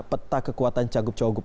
peta kekuatan cagup